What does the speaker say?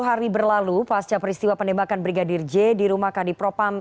sepuluh hari berlalu pasca peristiwa penembakan brigadir j di rumah kadipropam